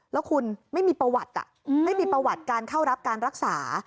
แล้วคุณไม่มีประวัติไม่มีประวัติการเข้ารับการรักษา